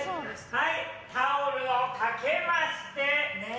はいタオルを掛けましてねぇ。